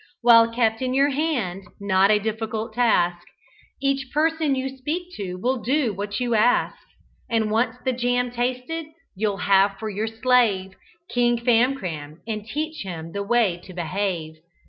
While kept in your hand (not a difficult task) Each person you speak to will do what you ask; And once the jam tasted, you'll have for your slave King Famcram, and teach him the way to behave.